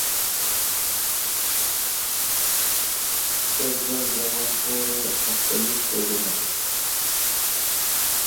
سردرد د وخت سره مختلف ډولونه لري.